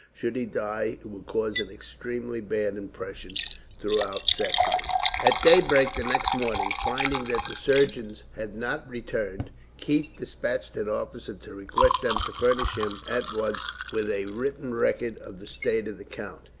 Should he die, it will cause an extremely bad impression throughout Saxony." At daybreak the next morning, finding that the surgeons had not returned, Keith despatched an officer to request them to furnish him, at once, with a written report of the state of the count.